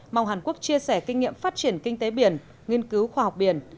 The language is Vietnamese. mong hàn quốc chia sẻ kinh nghiệm phát triển kinh tế biển nghiên cứu khoa học biển